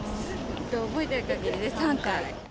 覚えているかぎりで３回。